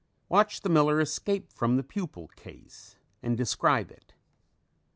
Watch the miller escape from the pupal case and describe it.